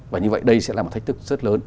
và như vậy đây sẽ là một thách thức rất lớn